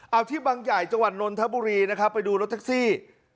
เอาที่บางใหญ่จังหวัดนนทบุรีนะครับไปดูรถแท็กซี่